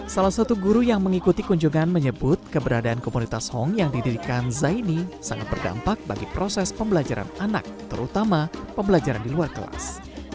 salah satu guru yang mengikuti kunjungan menyebut keberadaan komunitas hong yang didirikan zaini sangat berdampak bagi proses pembelajaran anak terutama pembelajaran di luar kelas